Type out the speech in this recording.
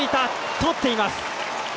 とっています！